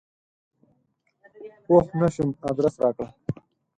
پوه نه شوم ادرس راکړه !